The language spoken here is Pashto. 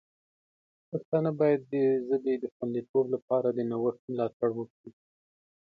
پښتانه باید د ژبې د خوندیتوب لپاره د نوښت ملاتړ وکړي.